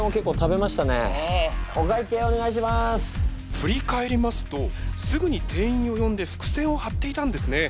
振り返りますとすぐに店員を呼んで伏線を張っていたんですね。